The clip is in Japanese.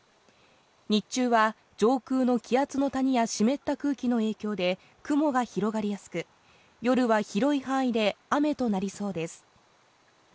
日中は上空の気圧の谷や湿った空気の影響で雲が広がりやすく、夜は広い範囲で雨となりそうです。